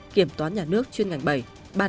kiểm toán nhà nước chuyên ngành bảy